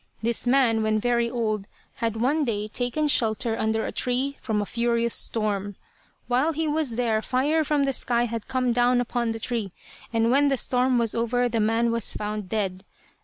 This man, when very old, had one day taken shelter under a tree from a furious storm. While he was there fire from the sky had come down upon the tree, and when the storm was over the man was found dead.